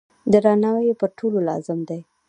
درناوی یې پر ټولو لازم دی.